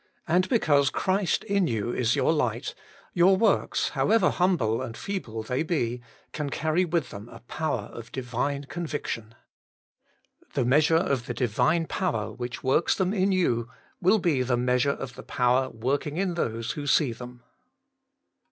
And because Christ in you is your light, your works, however humble and feeble they be, can carry with them a power of Divine conviction. The measure of the Divine power which works them in you will be the measure of the power work ing in those who see them.